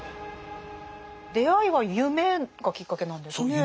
出会いは夢がきっかけなんですね。